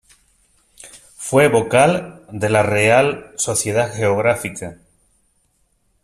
Fue vocal de la Real Sociedad Geográfica.